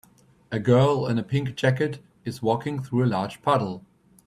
A girl in a pink jacket is walking through a large puddle.